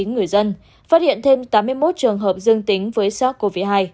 hai mươi chín người dân phát hiện thêm tám mươi một trường hợp dương tính với sars cov hai